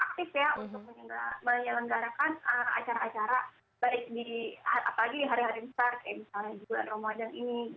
dan dari kbri sendiri pun sebenarnya cukup aktif ya untuk menyelenggarakan acara acara baik di hari hari besar kayak misalnya di bulan ramadan ini